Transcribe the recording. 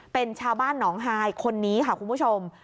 เป็นชาวบ้านหนองฮายคนนี้ค่ะคุณผู้ชม